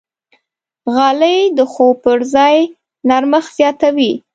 غالۍ د خوب پر ځای نرمښت زیاتوي.